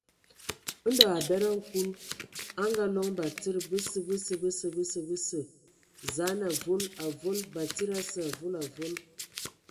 Ndɔ a abed a nkul, a ngaaloŋ batsidi: bəsǝ, bəsǝ, bəsǝ, bəsǝ, bəsǝ, zaan avol, avol, batsidi asə, avol avol.